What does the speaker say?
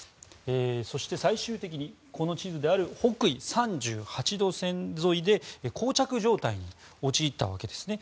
そして、最終的に北緯３８度線沿いで膠着状態に陥ったわけですね。